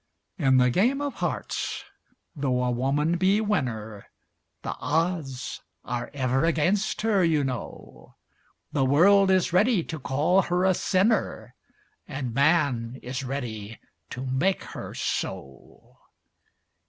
In the game of hearts, though a woman be winner, The odds are ever against her, you know; The world is ready to call her a sinner, And man is ready to make her so.